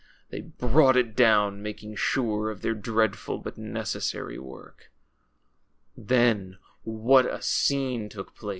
they brought it down^ making sure of their dreadful but necessary work. Then what a scene took place